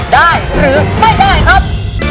ได้หรือไม่ได้ครับ